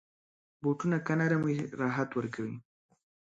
بوټونه که نرم وي، راحت ورکوي.